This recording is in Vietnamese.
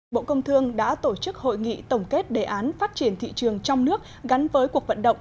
bộ công thương đã tổ chức hội nghị tổng kết đề án phát triển thị trường trong nước gắn với cuộc vận động